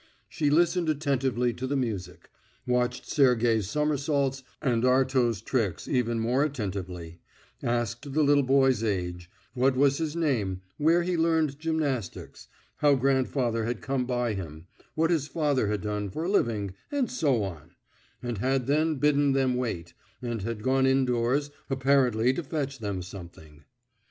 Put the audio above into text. She listened attentively to the music; watched Sergey's somersaults and Arto's tricks even more attentively; asked the little boy's age, what was his name, where he'd learned gymnastics, how grandfather had come by him, what his father had done for a living, and so on, and had then bidden them wait, and had gone indoors apparently to fetch them something.